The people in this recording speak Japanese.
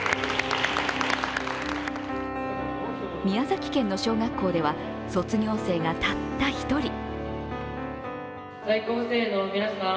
宮崎県の小学校では卒業生がたった一人。